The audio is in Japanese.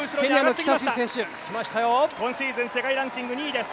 今シーズン世界ランキング２位です。